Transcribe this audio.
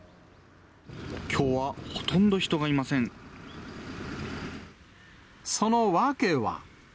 きょうはほとんど人がいませその訳は。